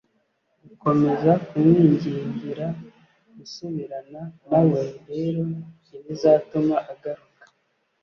Gukomeza kumwingingira gusubirana nawe rero ntibizatuma agaruka